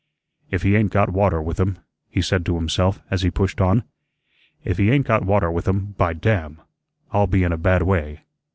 "If he ain't got water with um," he said to himself as he pushed on, "If he ain't got water with um, by damn! I'll be in a bad way.